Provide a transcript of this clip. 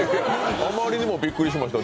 あまりにもビックリしました。